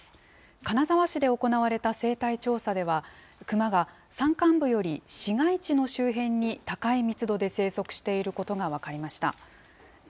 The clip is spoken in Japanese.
金沢市で行われた生態調査では、クマが山間部より市街地の周辺に高い密度で生息していることが分かりました。